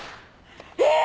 え！